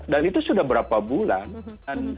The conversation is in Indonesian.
itu sudah berapa bulan